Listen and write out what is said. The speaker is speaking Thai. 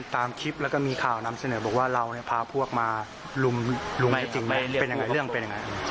ตามคลิปแล้วก็มีข่าวนำเสนอบอกว่าเราเนี่ยพาพวกมาลุงจริงเป็นยังไง